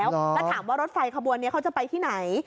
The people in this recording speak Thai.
แล้วถามว่ารถไฟขบวนนี้เขาจะไปที่ไหน